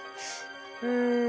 うん。